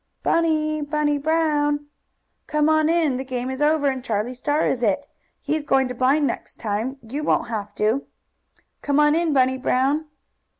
"Bunny! Bunny Brown!" "Come on in! The game is over and Charlie Star is it. He's going to blind next time, you won't have to!" "Come on in, Bunny Brown!"